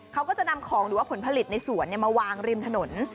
เขาก็จะนำของหรือว่าผลผลิตในสวนมาวางริมถนน